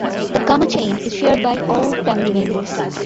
The gamma chain is shared by all family members.